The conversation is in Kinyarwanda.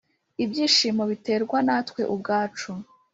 “ibyishimo biterwa natwe ubwacu.”